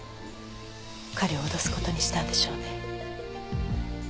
彼を脅すことにしたんでしょうね。